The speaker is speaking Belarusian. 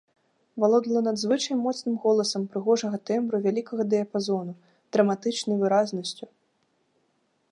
Валодала надзвычай моцным голасам прыгожага тэмбру вялікага дыяпазону, драматычнай выразнасцю.